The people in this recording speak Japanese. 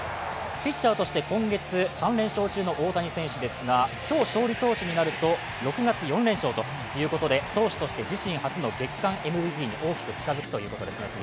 ピッチャーとして今月３連勝中の大谷選手ですが、今日勝利投手になると６月、４連勝ということで投手として自身初の月間ＭＶＰに大きく近づくということです。